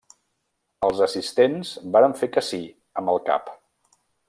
Els assistents varen fer que sí amb el cap.